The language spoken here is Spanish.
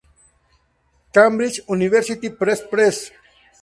Cambridge University press press.